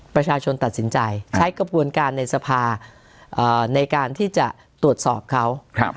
ประชาชนตัดสินใจใช้กระบวนการในสภาในการที่จะตรวจสอบเขา